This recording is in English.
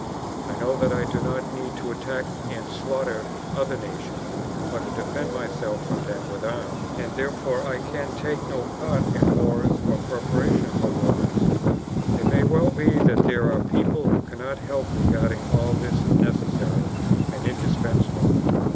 I know that I do not need to attack and slaughter other nations or to defend myself from them with arms, and therefore I can take no part in wars or preparations for wars. It may well be that there are people who cannot help regarding all this as necessary and indispensable.